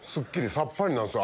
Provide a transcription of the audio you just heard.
さっぱりなんすよ